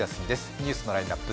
ニュースのラインナップ